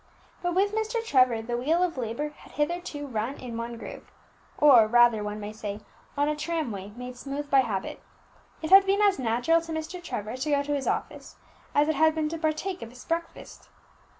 But with Mr. Trevor the wheel of labour had hitherto run in one groove, or rather, one may say, on a tramway made smooth by habit. It had been as natural to Mr. Trevor to go to his office, as it had been to partake of his breakfast.